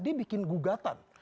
dia bikin gugatan